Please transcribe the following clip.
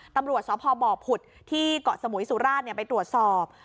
ตำรวจสพบผุดที่เกาะสมุยสุราชไปตรวจสอบ